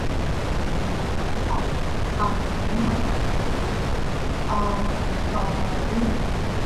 அவனுக்குத் தேவையென்றால், வழியிலே குடியிருந்த ஜனங்கள் நூற்றுக்கணக்கான வேட்டைநாய்களைக் கொடுத்து உதவியிருப்பார்கள்.